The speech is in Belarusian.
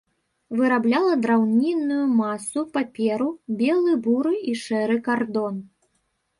Вырабляла драўнінную масу, паперу, белы, буры і шэры кардон.